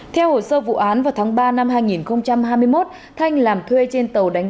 theo hồ sơ vụ án vào tháng ba năm hai nghìn hai mươi một thanh làm thuê trên tàu đánh